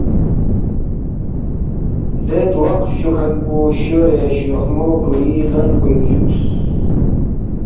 دے تواق فچوکھن پو شورے شوخمو کُھوری ننگ پوینگ جُوکس